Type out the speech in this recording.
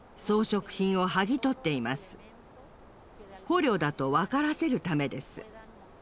捕虜だと分からせるためです。